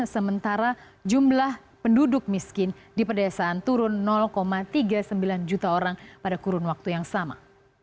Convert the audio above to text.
sementara jumlah penduduk miskin di pedesaan turun tiga puluh sembilan juta orang pada kurun waktu yang sama